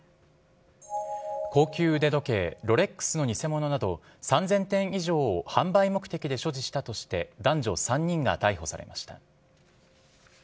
高級腕時計、ロレックスの偽物など３０００点以上を販売目的で所持したとして、男女３人が逮捕されました。